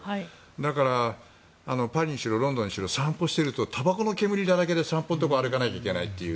だから、パリにしろロンドンにしろ散歩をしているとたばこの煙だらけのところを散歩しないといけなくて。